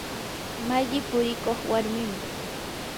malli purikuq warmim.